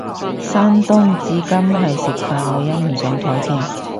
山東省至今係食飯女人唔上枱嘅